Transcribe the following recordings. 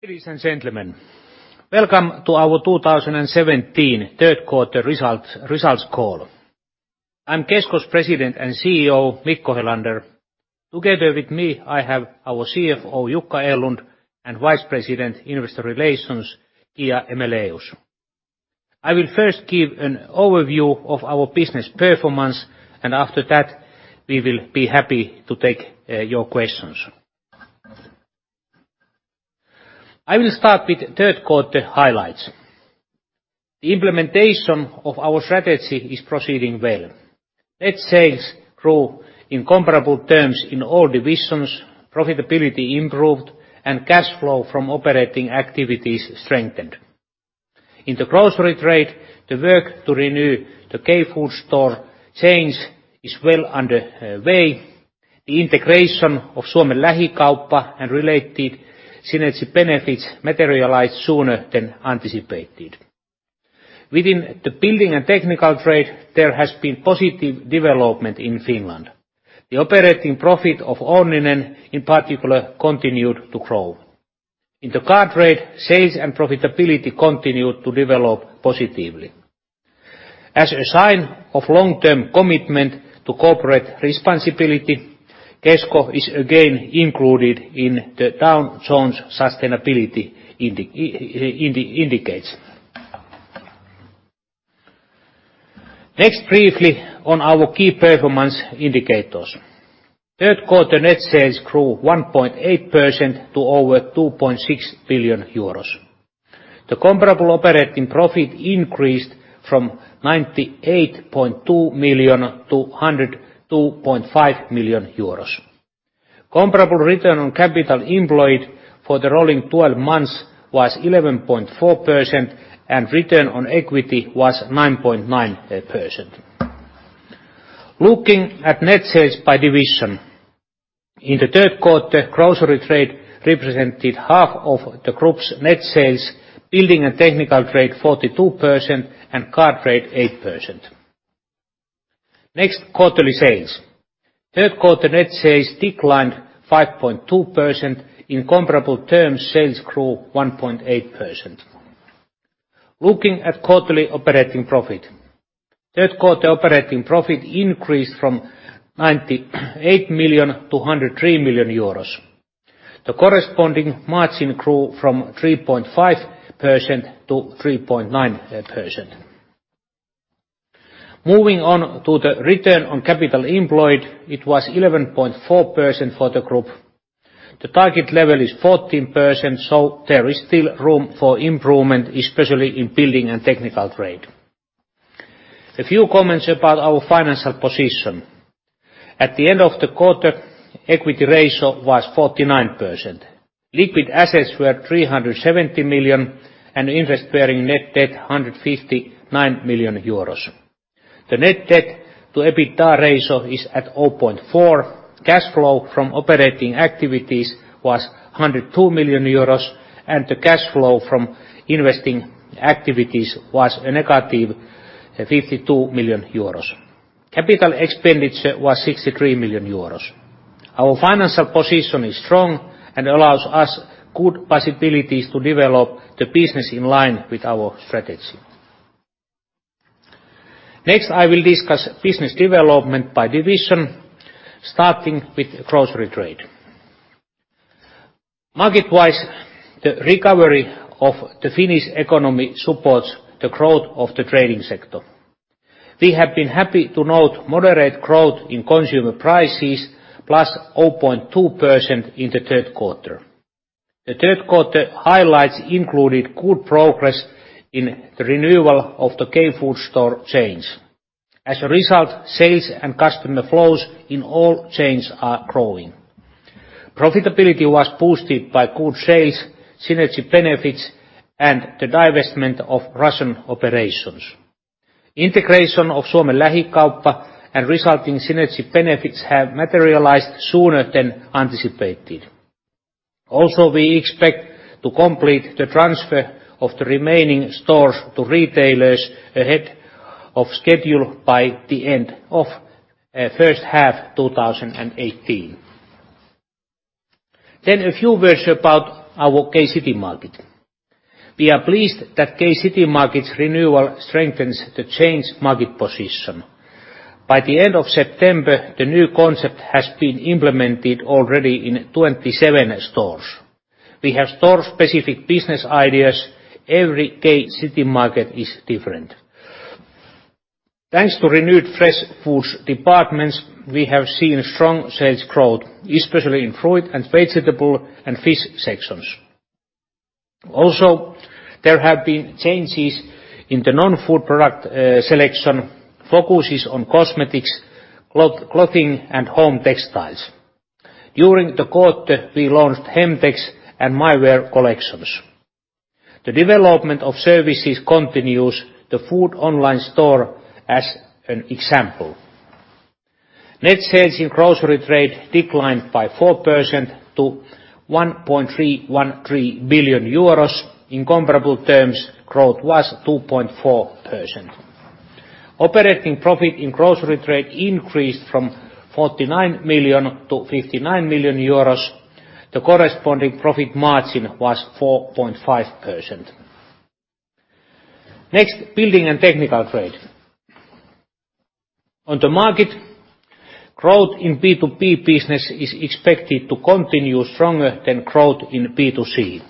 Ladies and gentlemen, welcome to our 2017 third quarter results call. I'm Kesko's President and CEO, Mikko Helander. Together with me, I have our CFO, Jukka Erlund, and Vice President, Investor Relations, Kia Aejmelaeus. I will first give an overview of our business performance. After that, we will be happy to take your questions. I will start with third quarter highlights. The implementation of our strategy is proceeding well. Net sales grew in comparable terms in all divisions, profitability improved, cash flow from operating activities strengthened. In the grocery trade, the work to renew the K Food store chains is well underway. The integration of Suomen Lähikauppa and related synergy benefits materialized sooner than anticipated. Within the building and technical trade, there has been positive development in Finland. The operating profit of Onninen, in particular, continued to grow. In the car trade, sales, profitability continued to develop positively. As a sign of long-term commitment to corporate responsibility, Kesko is again included in the Dow Jones Sustainability Indices. Next, briefly on our key performance indicators. Third quarter net sales grew 1.8% to over 2.6 billion euros. The comparable operating profit increased from 98.2 million to 102.5 million euros. Comparable return on capital employed for the rolling 12 months was 11.4%. Return on equity was 9.9%. Looking at net sales by division. In the third quarter, grocery trade represented half of the group's net sales, building and technical trade 42%, car trade 8%. Next, quarterly sales. Third quarter net sales declined 5.2%. In comparable terms, sales grew 1.8%. Looking at quarterly operating profit. Third quarter operating profit increased from 98 million to 103 million euros. The corresponding margin grew from 3.5% to 3.9%. Moving on to the return on capital employed. It was 11.4% for the group. The target level is 14%. There is still room for improvement, especially in building and technical trade. A few comments about our financial position. At the end of the quarter, equity ratio was 49%. Liquid assets were 370 million, interest-bearing net debt, 159 million euros. The net debt to EBITDA ratio is at 0.4. Cash flow from operating activities was 102 million euros. The cash flow from investing activities was a negative 52 million euros. Capital expenditure was 63 million euros. Our financial position is strong, allows us good possibilities to develop the business in line with our strategy. Next, I will discuss business development by division, starting with grocery trade. Market-wise, the recovery of the Finnish economy supports the growth of the trading sector. We have been happy to note moderate growth in consumer prices, +0.2% in the third quarter. The third quarter highlights included good progress in the renewal of the K Food store chains. As a result, sales, customer flows in all chains are growing. Profitability was boosted by good sales, synergy benefits, the divestment of Russian operations. Integration of Suomen Lähikauppa and resulting synergy benefits have materialized sooner than anticipated. We expect to complete the transfer of the remaining stores to retailers ahead of schedule by the end of first half 2018. A few words about our K-Citymarket. We are pleased that K-Citymarket's renewal strengthens the chain's market position. By the end of September, the new concept has been implemented already in 27 stores. We have store specific business ideas. Every K-Citymarket is different. Thanks to renewed fresh foods departments, we have seen strong sales growth, especially in fruit and vegetable and fish sections. Also, there have been changes in the non-food product selection: focuses on cosmetics, clothing, and home textiles. During the quarter, we launched Hemtex and mywear collections. The development of services continues, the food online store as an example. Net sales in grocery trade declined by 4% to 1.313 billion euros. In comparable terms, growth was 2.4%. Operating profit in grocery trade increased from 49 million to 59 million euros. The corresponding profit margin was 4.5%. Next, building and technical trade. On the market, growth in B2B business is expected to continue stronger than growth in B2C.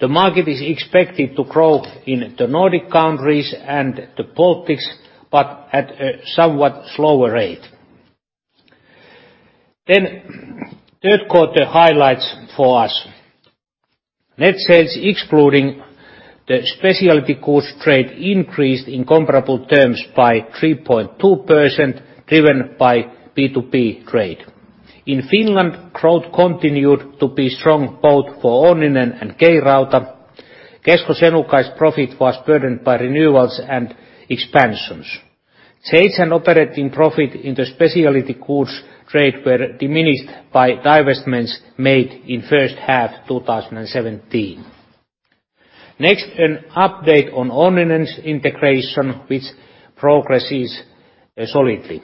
The market is expected to grow in the Nordic countries and the Baltics, but at a somewhat slower rate. Third quarter highlights for us. Net sales, excluding the specialty goods trade, increased in comparable terms by 3.2%, driven by B2B trade. In Finland, growth continued to be strong both for Onninen and K-Rauta. Kesko Senukai's profit was burdened by renewals and expansions. Sales and operating profit in the specialty goods trade were diminished by divestments made in first half 2017. Next, an update on Onninen's integration, which progresses solidly.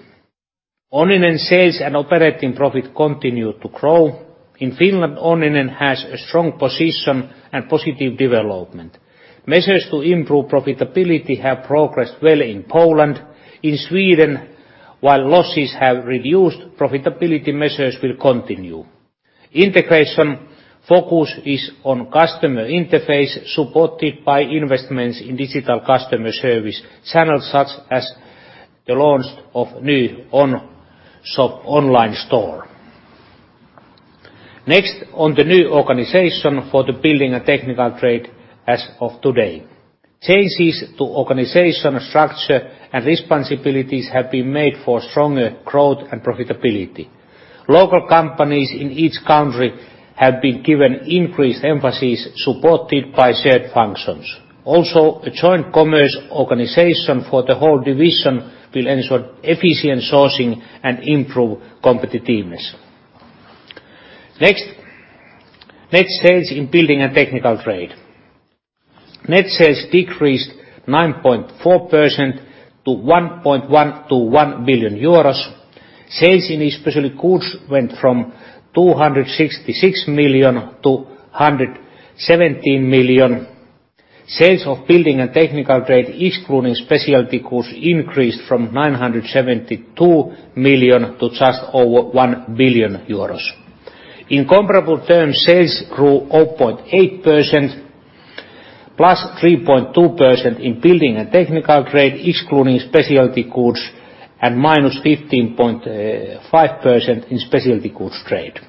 Onninen sales and operating profit continue to grow. In Finland, Onninen has a strong position and positive development. Measures to improve profitability have progressed well in Poland. In Sweden, while losses have reduced, profitability measures will continue. Integration focus is on customer interface, supported by investments in digital customer service channels, such as the launch of new online store. Next, on the new organization for the building and technical trade as of today. Changes to organization structure and responsibilities have been made for stronger growth and profitability. Local companies in each country have been given increased emphasis, supported by shared functions. A joint commerce organization for the whole division will ensure efficient sourcing and improve competitiveness. Next, net sales in building and technical trade. Net sales decreased 9.4% to 1.121 billion euros. Sales in specialty goods went from 266 million to 117 million. Sales of building and technical trade, excluding specialty goods, increased from 972 million to just over 1 billion euros. In comparable terms, sales grew 0.8%, plus 3.2% in building and technical trade, excluding specialty goods, and -15.5% in specialty goods trade.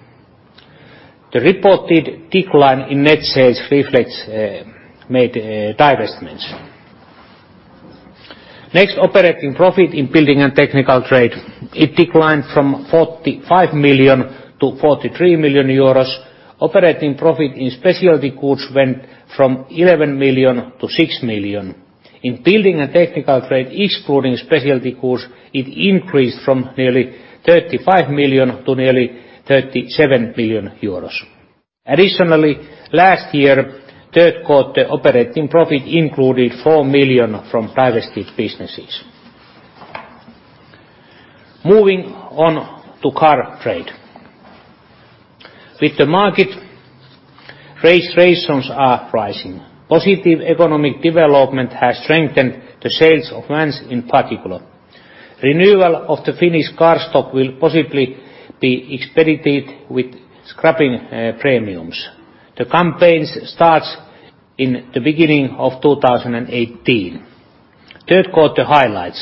The reported decline in net sales reflects made divestments. Next, operating profit in building and technical trade. It declined from 45 million to 43 million euros. Operating profit in specialty goods went from 11 million to 6 million. In building and technical trade, excluding specialty goods, it increased from nearly 35 million to nearly 37 million euros. Additionally, last year, third quarter operating profit included 4 million from divested businesses. Moving on to car trade. With the market, registrations are rising. Positive economic development has strengthened the sales of vans, in particular. Renewal of the Finnish car stock will possibly be expedited with scrapping premiums. The campaigns starts in the beginning of 2018. Third quarter highlights: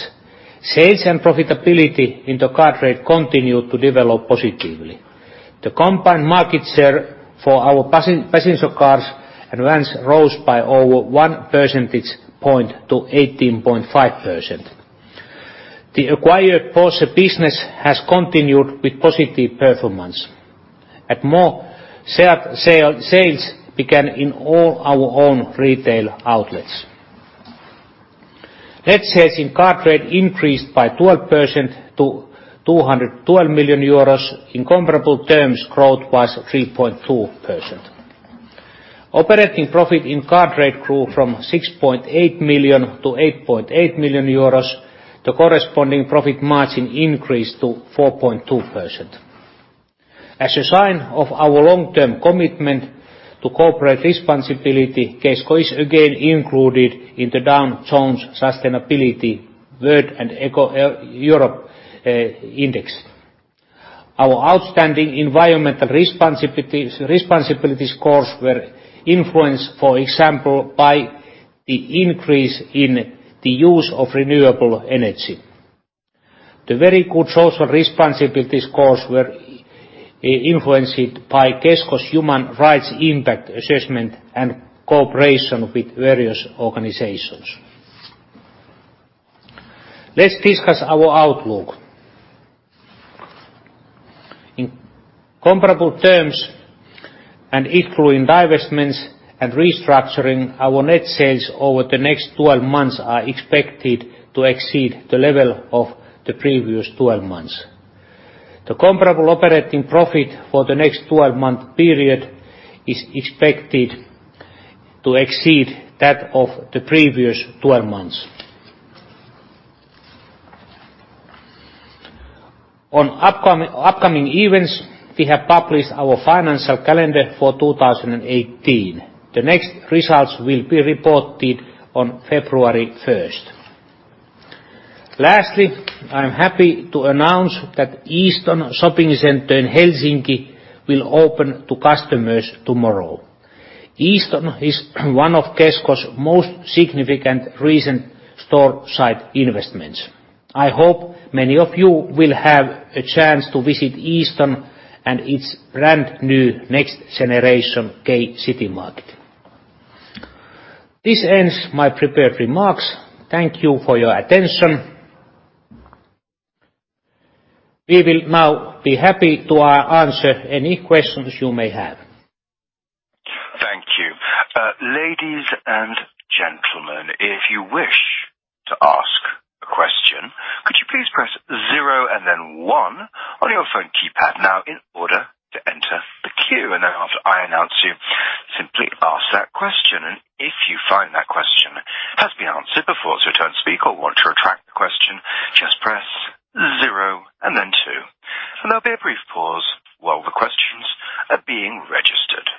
sales and profitability in the car trade continued to develop positively. The combined market share for our passenger cars and vans rose by over one percentage point to 18.5%. The acquired Porsche business has continued with positive performance. More sales began in all our own retail outlets. Net sales in car trade increased by 12% to 212 million euros. In comparable terms, growth was 3.2%. Operating profit in car trade grew from 6.8 million to 8.8 million euros. The corresponding profit margin increased to 4.2%. As a sign of our long-term commitment to corporate responsibility, Kesko is again included in the Dow Jones Sustainability World and Europe Indices. Our outstanding environmental responsibility scores were influenced, for example, by the increase in the use of renewable energy. The very good social responsibility scores were influenced by Kesko's human rights impact assessment and cooperation with various organizations. Let's discuss our outlook. In comparable terms, excluding divestments and restructuring, our net sales over the next 12 months are expected to exceed the level of the previous 12 months. The comparable operating profit for the next 12-month period is expected to exceed that of the previous 12 months. On upcoming events, we have published our financial calendar for 2018. The next results will be reported on February 1st. Lastly, I'm happy to announce that Easton Shopping Center in Helsinki will open to customers tomorrow. Easton is one of Kesko's most significant recent store site investments. I hope many of you will have a chance to visit Easton and its brand new next generation K-Citymarket. This ends my prepared remarks. Thank you for your attention. We will now be happy to answer any questions you may have. Thank you. Ladies and gentlemen, if you wish to ask a question, could you please press zero and then one on your phone keypad now in order to enter the queue. After I announce you, simply ask that question. If you find that question has been answered before, so to speak, or want to retract the question, just press zero and then two. There'll be a brief pause while the questions are being registered.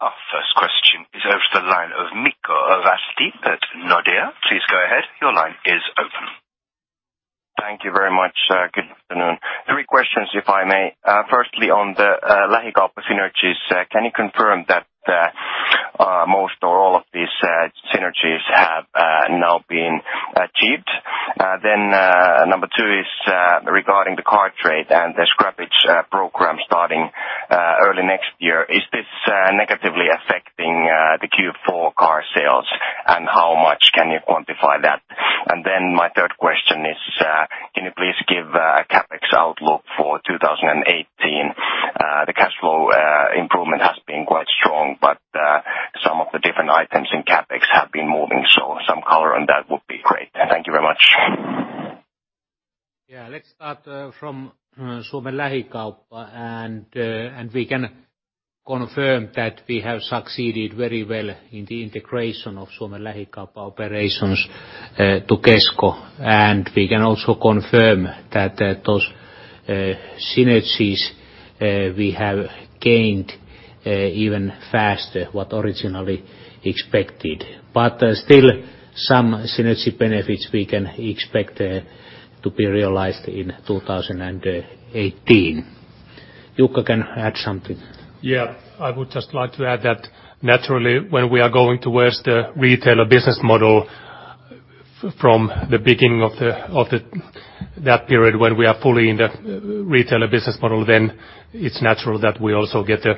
Our first question is over the line of Mikko Ervasti at Nordea. Please go ahead. Your line is open. Thank you very much. Good afternoon. Three questions, if I may. Firstly, on the Lähikauppa synergies, can you confirm that most or all of these synergies have now been achieved? Number 2 is regarding the car trade and the scrappage program starting early next year. Is this negatively affecting the Q4 car sales, and how much can you quantify that? My third question is, can you please give a CapEx outlook for 2018? The cash flow improvement has been quite strong, but some of the different items in CapEx have been moving, so some color on that would be great. Thank you very much. Yeah, let's start from Suomen Lähikauppa. We can confirm that we have succeeded very well in the integration of Suomen Lähikauppa operations to Kesko. We can also confirm that those synergies we have gained even faster what originally expected. Still some synergy benefits we can expect to be realized in 2018. Jukka can add something. Yeah. I would just like to add that naturally, when we are going towards the retailer business model from the beginning of that period when we are fully in the retailer business model, it's natural that we also get the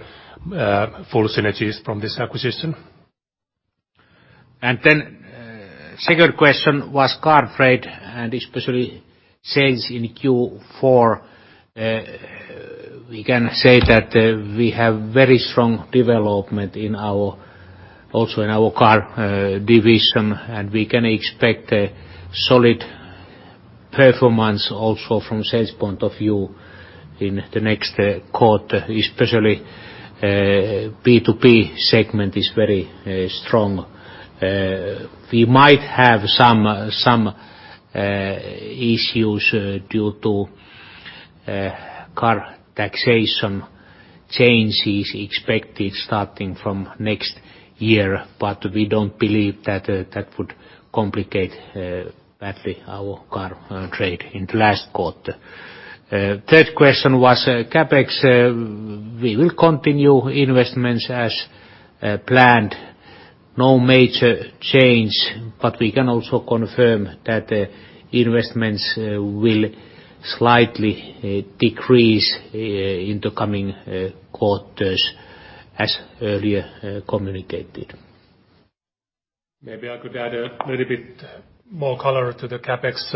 full synergies from this acquisition. Second question was car trade and especially sales in Q4. We can say that we have very strong development also in our car division, and we can expect a solid performance also from sales point of view in the next quarter, especially B2B segment is very strong. We might have some issues due to car taxation changes expected starting from next year, we don't believe that that would complicate badly our car trade in the last quarter. Third question was CapEx. We will continue investments as planned, no major change, we can also confirm that investments will slightly decrease in the coming quarters as earlier communicated. Maybe I could add a little bit more color to the CapEx.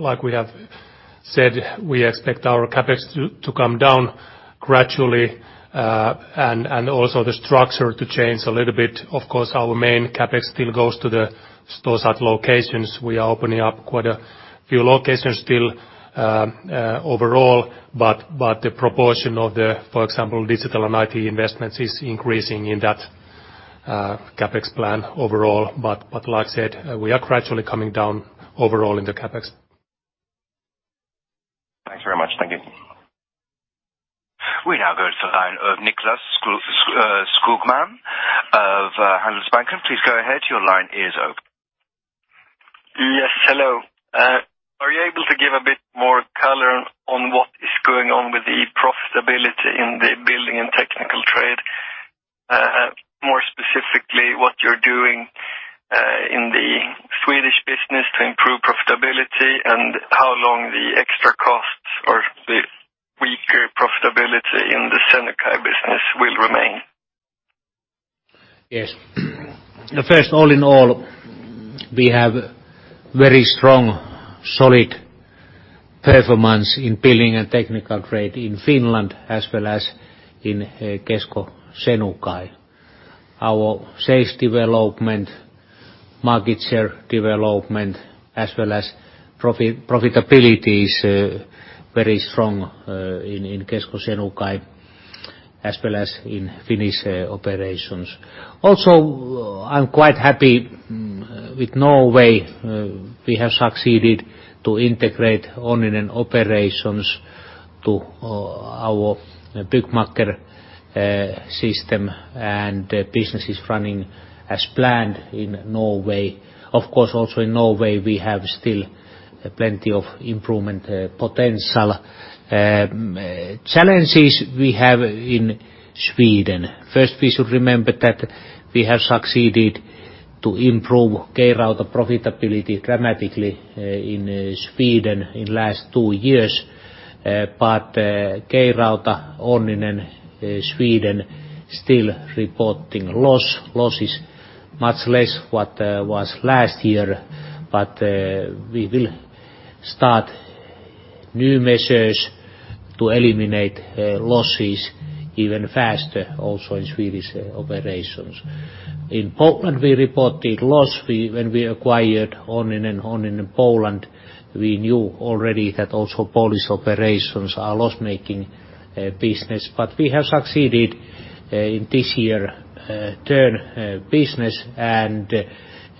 Like we have said, we expect our CapEx to come down gradually and also the structure to change a little bit. Of course, our main CapEx still goes to the store site locations. We are opening up quite a few locations still overall, but the proportion of the, for example, digital and IT investments is increasing in that CapEx plan overall. Like I said, we are gradually coming down overall in the CapEx. Thanks very much. Thank you. We now go to the line of Niklas Skogman of Handelsbanken. Please go ahead. Your line is open. Yes. Hello. Are you able to give a bit more color on what is going on with the profitability in the building and technical trade? More specifically, what you're doing in the Swedish business to improve profitability and how long the extra costs or the weaker profitability in the Senukai business will remain? Yes. First, all in all, we have very strong, solid performance in building and technical trade in Finland as well as in Kesko Senukai. Our sales development, market share development, as well as profitability is very strong in Kesko Senukai as well as in Finnish operations. Also, I'm quite happy with Norway. We have succeeded to integrate Onninen operations to our bookkeeping system, and the business is running as planned in Norway. Of course, also in Norway, we have still plenty of improvement potential. Challenges we have in Sweden. First, we should remember that we have succeeded to improve K-Rauta profitability dramatically in Sweden in last two years. K-Rauta, Onninen Sweden still reporting losses much less what was last year, but we will start new measures to eliminate losses even faster also in Swedish operations. In Poland, we reported loss. When we acquired Onninen in Poland, we knew already that also Polish operations are loss-making business. We have succeeded in this year turn business, and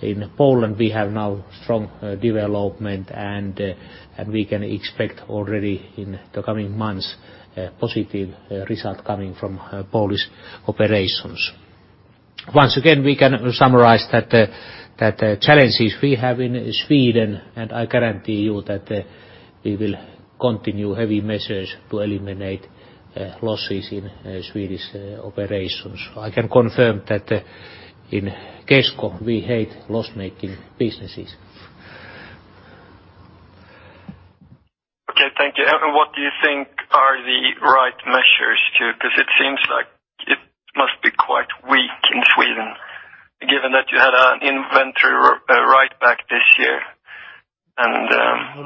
in Poland we have now strong development, and we can expect already in the coming months a positive result coming from Polish operations. Once again, we can summarize that the challenges we have in Sweden, and I guarantee you that we will continue heavy measures to eliminate losses in Swedish operations. I can confirm that in Kesko, we hate loss-making businesses. Okay, thank you. What do you think are the right measures? Because it seems like it must be quite weak in Sweden, given that you had an inventory write-back this year.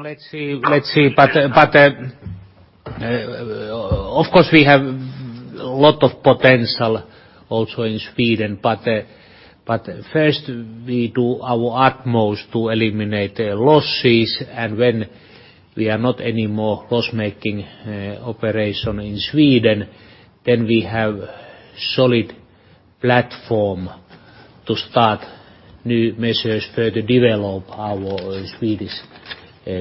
Let's see. Of course, we have a lot of potential also in Sweden. First we do our utmost to eliminate losses, and when we are not any more loss-making operation in Sweden, then we have solid platform to start new measures, further develop our Swedish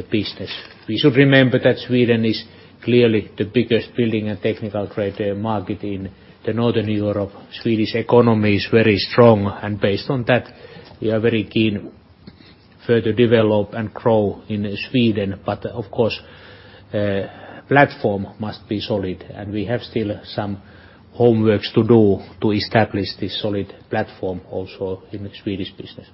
business. We should remember that Sweden is clearly the biggest building and technical trade market in Northern Europe. Swedish economy is very strong, and based on that we are very keen further develop and grow in Sweden. Of course, platform must be solid and we have still some homeworks to do to establish this solid platform also in the Swedish business.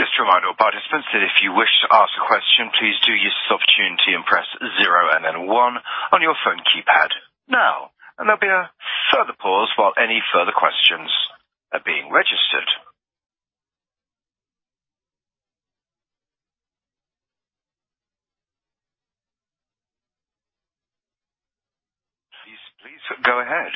Okay, thank you. Just a reminder to all participants that if you wish to ask a question, please do use this opportunity and press zero and then one on your phone keypad now. There'll be a further pause while any further questions are being registered. Please, go ahead.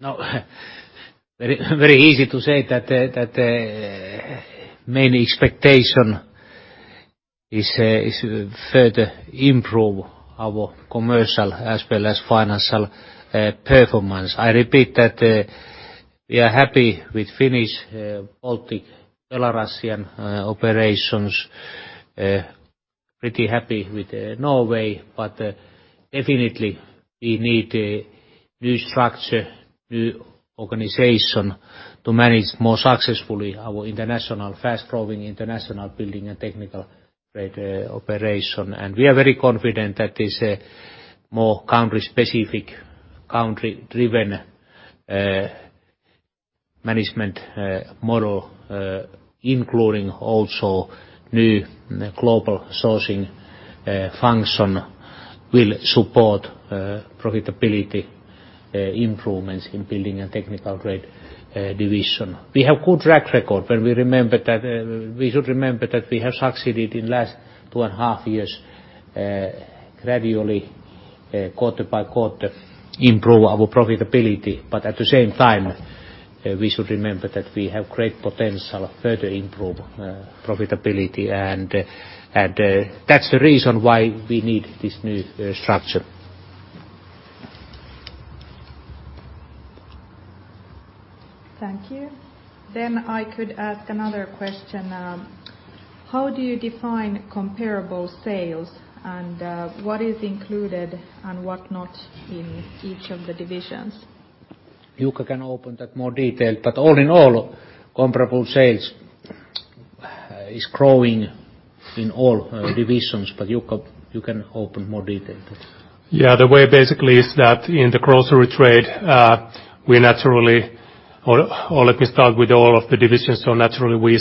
Now very easy to say that main expectation is further improve our commercial as well as financial performance. I repeat that we are happy with Finnish, Baltic, Belarusian operations, pretty happy with Norway. Definitely we need a new structure, new organization to manage more successfully our international, fast-growing international building and technical trade operation. We are very confident that this more country-specific, country-driven management model including also new global sourcing function will support profitability improvements in building and technical trade division. We should remember that we have succeeded in last two and a half years gradually quarter by quarter improve our profitability. At the same time, we should remember that we have great potential further improve profitability and that's the reason why we need this new structure. Thank you. I could ask another question. How do you define comparable sales and what is included and what not in each of the divisions? Jukka can open that more detail, all in all, comparable sales is growing in all divisions. Jukka, you can open more details. Yeah, the way basically is that in the grocery trade, or let me start with all of the divisions. Naturally, we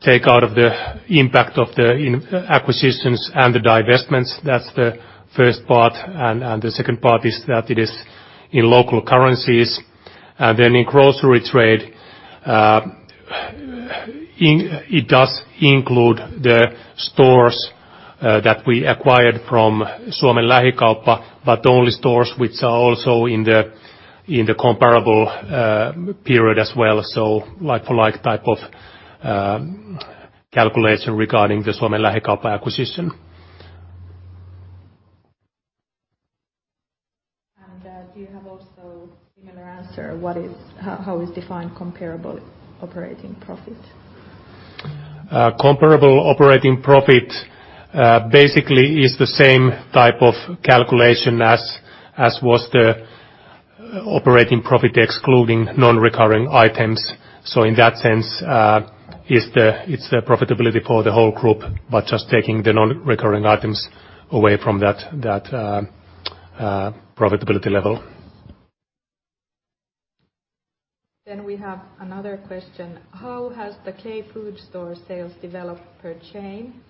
take out of the impact of the acquisitions and the divestments. That is the first part. The second part is that it is in local currencies. In grocery trade, it does include the stores that we acquired from Suomen Lähikauppa, but only stores which are also in the comparable period as well, so like for like type of calculation regarding the Suomen Lähikauppa acquisition. Do you have also similar answer? How is defined comparable operating profit? Comparable operating profit basically is the same type of calculation as was the operating profit excluding non-recurring items. In that sense, it is the profitability for the whole group, but just taking the non-recurring items away from that profitability level. We have another question. How has the K Food store sales developed per chain,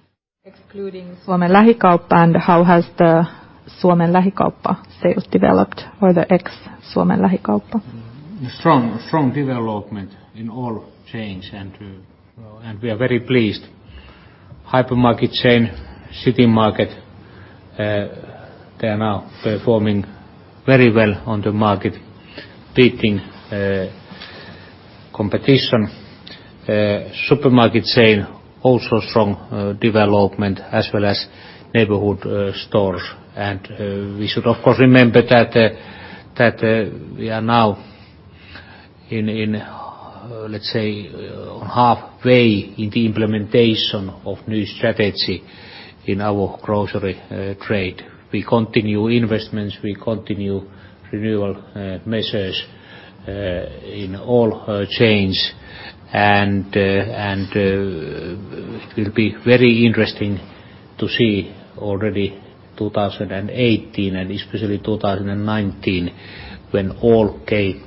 excluding Suomen Lähikauppa, and how has the Suomen Lähikauppa sales developed or the ex-Suomen Lähikauppa? Strong development in all chains, we are very pleased. Hypermarket chain, K-Citymarket, they are now performing very well on the market, beating competition. Supermarket chain, also strong development as well as neighborhood stores. We should, of course, remember that we are now in, let's say, halfway in the implementation of new strategy in our grocery trade. We continue investments, we continue renewal measures in all chains, and it will be very interesting to see already 2018 and especially 2019 when all K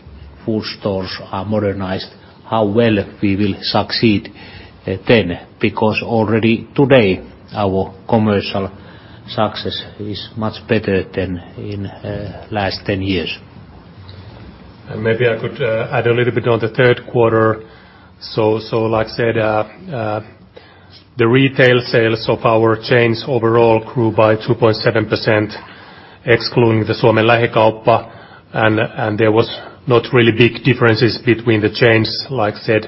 Food stores are modernized, how well we will succeed then, because already today, our commercial success is much better than in last 10 years. Maybe I could add a little bit on the third quarter. Like I said, the retail sales of our chains overall grew by 2.7%, excluding the Suomen Lähikauppa. There was not really big differences between the chains. Like I said,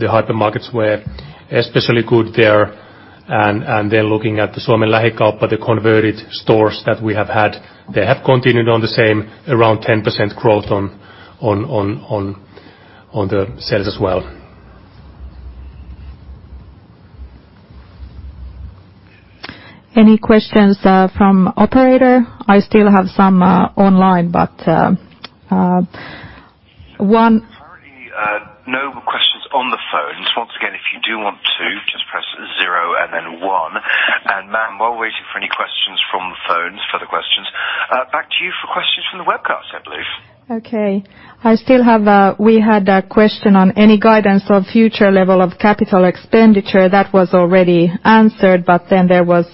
the hypermarkets were especially good there. Looking at the Suomen Lähikauppa, the converted stores that we have had, they have continued on the same, around 10% growth on the sales as well. Any questions from operator? I still have some online. Currently, no questions on the phone. Once again, if you do want to, just press zero and then one. Matt, while waiting for any questions from the phones, further questions, back to you for questions from the webcast, I believe. We had a question on any guidance on future level of capital expenditure. That was already answered, there was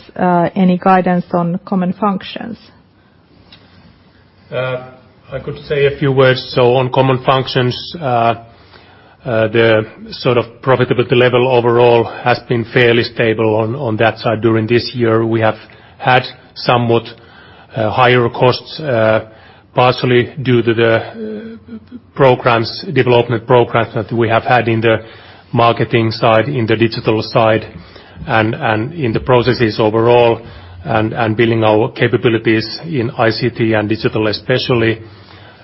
any guidance on common functions. I could say a few words. On common functions, the profitability level overall has been fairly stable on that side during this year. We have had somewhat higher costs, partially due to the development programs that we have had in the marketing side, in the digital side, and in the processes overall and building our capabilities in ICT and digital especially.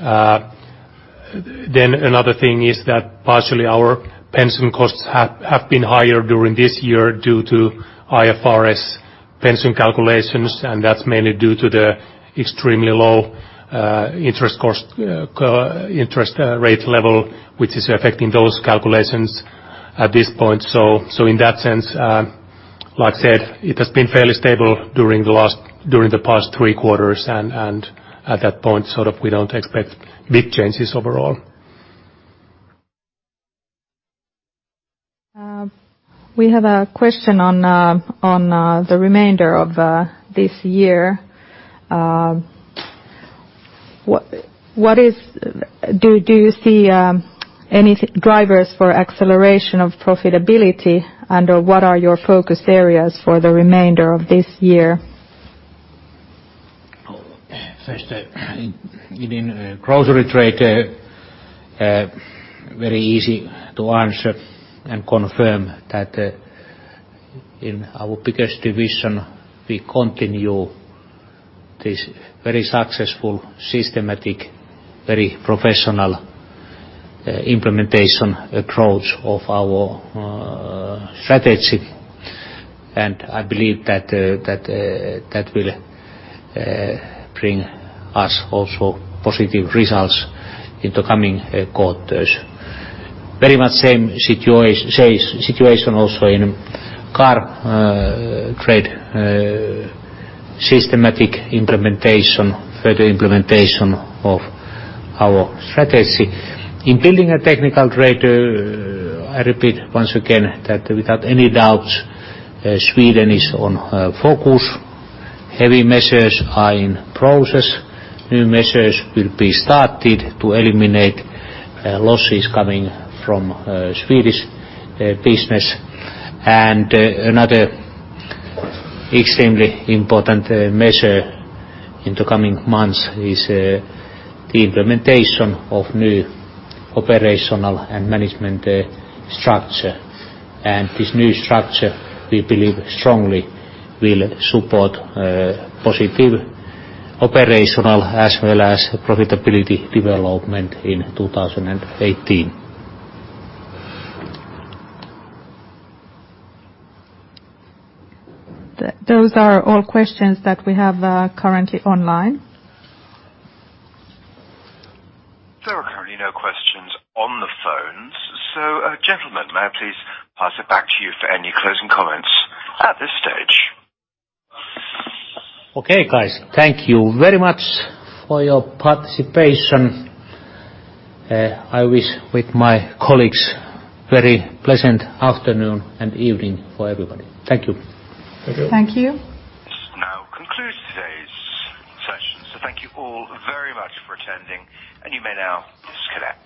Another thing is that partially our pension costs have been higher during this year due to IFRS pension calculations, and that's mainly due to the extremely low interest rate level, which is affecting those calculations at this point. In that sense, like I said, it has been fairly stable during the past three quarters, and at that point, we don't expect big changes overall. We have a question on the remainder of this year. Do you see any drivers for acceleration of profitability, and what are your focus areas for the remainder of this year? First, in grocery trade, very easy to answer and confirm that in our biggest division, we continue this very successful, systematic, very professional implementation approach of our strategy. I believe that will bring us also positive results in the coming quarters. Very much same situation also in car trade, systematic implementation, further implementation of our strategy. In Building and Technical Trade, I repeat once again that without any doubt, Sweden is on focus. Heavy measures are in process. New measures will be started to eliminate losses coming from Swedish business. Another extremely important measure in the coming months is the implementation of new operational and management structure. This new structure, we believe strongly will support positive operational as well as profitability development in 2018. Those are all questions that we have currently online. There are currently no questions on the phones. Gentlemen, may I please pass it back to you for any closing comments at this stage? Okay, guys. Thank you very much for your participation. I wish with my colleagues very pleasant afternoon and evening for everybody. Thank you. Thank you. Thank you. This now concludes today's session. Thank you all very much for attending, and you may now disconnect.